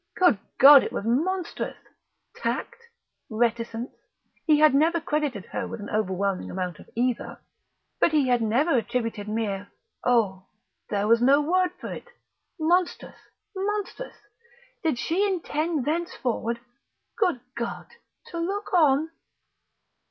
Good God! It was monstrous! tact reticence he had never credited her with an overwhelming amount of either: but he had never attributed mere oh, there was no word for it! Monstrous monstrous! Did she intend thenceforward.... Good God! To look on!...